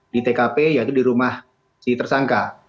di tkp yaitu di rumah si tersangka